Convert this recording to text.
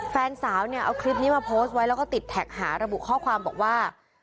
แฟนสาวเนี่ยเอาคลิปนี้มาโพสต์ไว้แล้วก็ติดแท็กหาระบุข้อความบอกว่า